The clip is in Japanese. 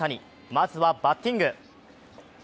まずはバッティング。